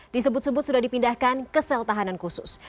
disebut sebut sudah dipindahkan ke sel tahanan khusus